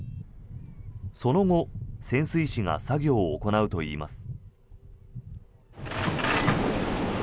その後、潜水士が作業を行うといいます。